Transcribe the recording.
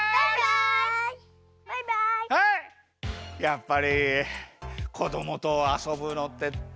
やっぱりこどもとあそぶのってたのしいな。